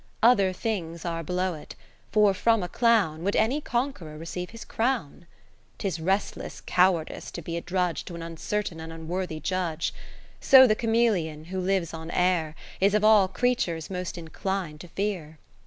Other things are below 't ; for from a clown Would any Conqueror receive his crown ? 'Tis restless cowardice to be a drudge To an uncertain and unworthy judge. So the Cameleon, who lives on air. Is of all creatures most inclin'd to fear.